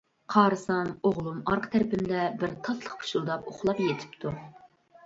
قارىسام ئوغلۇم ئارقا تەرىپىمدە بىر تاتلىق پۇشۇلداپ ئۇخلاپ يېتىپتۇ.